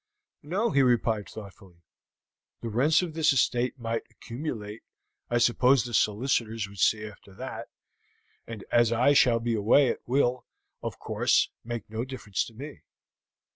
"No," he replied thoughtfully. "The rents of this estate might accumulate. I suppose the solicitors would see after that; and as I shall be away it will, of course, make no difference to me.